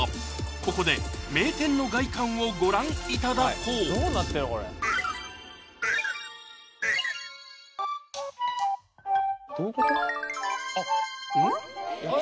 ここで名店の外観をご覧いただこうどういうこと？